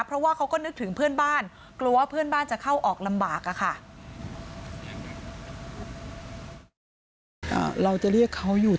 เพราะว่าเขาก็นึกถึงเพื่อนบ้านกลัวว่าเพื่อนบ้านจะเข้าออกลำบากอะค่ะ